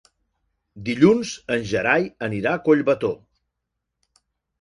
Dilluns en Gerai anirà a Collbató.